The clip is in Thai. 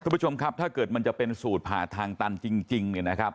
คุณผู้ชมครับถ้าเกิดมันจะเป็นสูตรผ่าทางตันจริงเนี่ยนะครับ